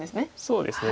そうですね